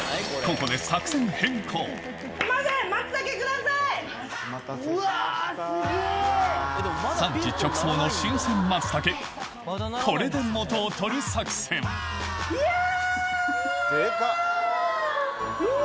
これで元を取る作戦うわ！